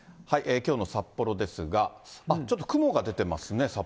きょうの札幌ですが、ちょっと雲が出てますね。